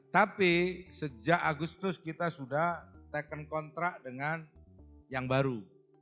tapi sejak agustus kita sudah taken kontrak dengan yang baru